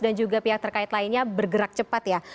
dan juga pihak terkait lainnya bergerak cepat ya